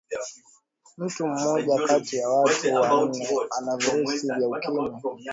mtu mmoja kati ya watu wanne ana virusi vya ukimwi